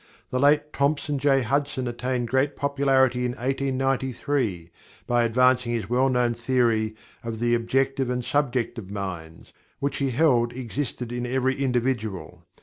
The late Thomson J. Hudson attained great popularity in 1893 by advancing his well known theory of the "objective and subjective minds" which he held existed in every individual.